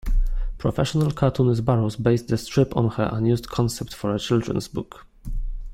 Professional cartoonist Barrows based the strip on her unused concept for a children's book.